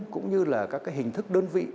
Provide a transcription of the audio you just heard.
cũng như là các cái hình thức đơn vị